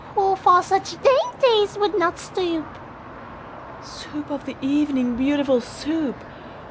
Who for such dainties would not stoop? Soup of the evening, beautiful Soup!